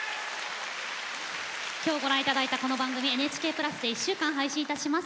今日ご覧いただいたこの番組は、ＮＨＫプラスで１週間配信いたします。